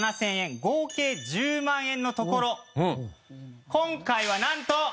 合計１０万円のところ今回はなんと！